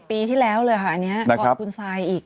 ๑๐ปีที่แล้วแหละค่ะอันนี้แล้วก็คุณสายอีก